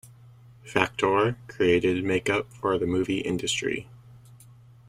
Factor created makeup for the movie industry.